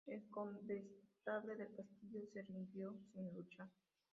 El condestable del castillo se rindió sin luchar.